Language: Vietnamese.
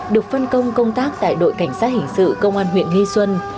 được phân công công tác tại đội cảnh sát hình sự công an huyện nghi xuân